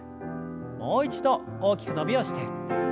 もう一度大きく伸びをして。